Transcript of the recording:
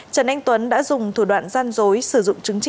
trần anh tuấn đã dùng thủ đoạn gian dối sử dụng chứng chỉ